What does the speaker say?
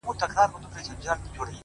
• چي په كالو بانـدې زريـــن نه ســـمــه؛